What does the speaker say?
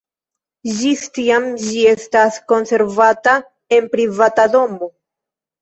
Ĝis tiam ĝi estas konservata en privata domo.